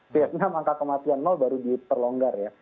vietnam angka kematian baru diperlonggar ya